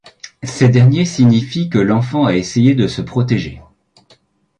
Ces derniers signifient que l'enfant a essayé de se protéger.